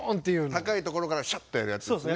高いところからシャッとやるやつですね。